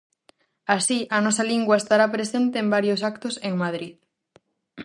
Así, a nosa lingua estará presente en varios actos en Madrid.